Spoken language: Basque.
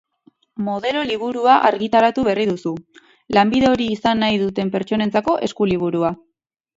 Modelo liburua argitaratu berri duzu, lanbide hori izan nahi duten pertsonentzako eskuliburua.